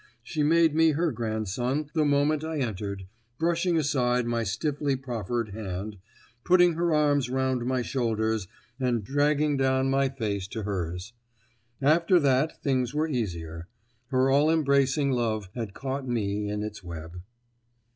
She made me her grandson the moment I entered, brushing aside my stiffly proffered hand, putting her arms round my shoulders and dragging down my face to hers. After that things were easier; her all embracing love had caught me in its web.